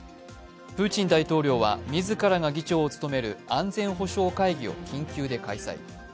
プーチン大統領は自らが議長を務める安全保障会議を緊急で開催。